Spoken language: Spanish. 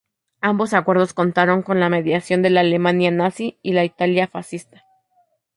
Ambos acuerdos contaron la mediación de la Alemania Nazi y la Italia fascista.